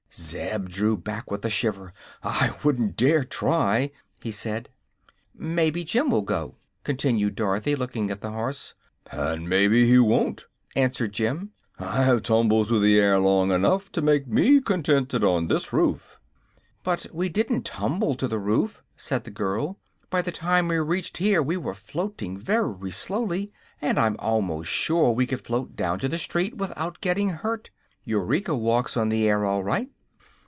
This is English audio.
Zeb drew back with a shiver. "I wouldn't dare try," he said. "May be Jim will go," continued Dorothy, looking at the horse. "And may be he won't!" answered Jim. "I've tumbled through the air long enough to make me contented on this roof." "But we didn't tumble to the roof," said the girl; "by the time we reached here we were floating very slowly, and I'm almost sure we could float down to the street without getting hurt. Eureka walks on the air all right."